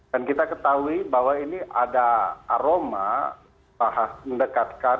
dan kita ketahui bahwa ini ada aroma mendekatkan instruksi ini kepada orang lain